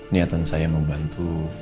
niatan saya membantu